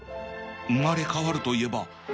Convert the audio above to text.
生まれ変わるといえば